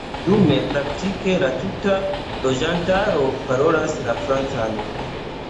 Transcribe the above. Dume, praktike la tuta loĝantaro parolas la Francan.